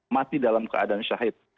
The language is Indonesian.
mati dalam keadaan syahid